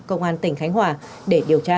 công an tỉnh khánh hòa để điều tra